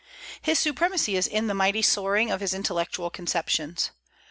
His supremacy is in the mighty soaring of his intellectual conceptions.